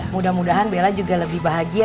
mudah mudahan bella juga lebih bahagia